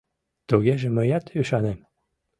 — Тугеже мыят ӱшанем...